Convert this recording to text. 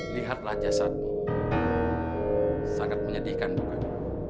lihatlah jasadmu sangat menyedihkan bukan